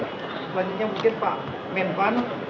selanjutnya mungkin pak menvan